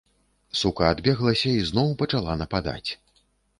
Сука адбеглася і зноў пачала нападаць.